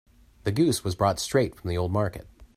The goose was brought straight from the old market.